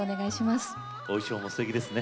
お衣装もすてきですね。